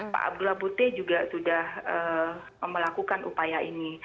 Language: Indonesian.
pak abdullah putih juga sudah melakukan upaya ini